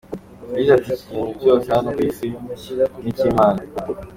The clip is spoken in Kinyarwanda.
Yagize ati “Ikintu cyose hano ku Isi ni icy’Imana.